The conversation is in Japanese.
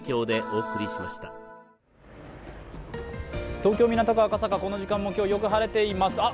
東京・港区赤坂、この時間もよく晴れています。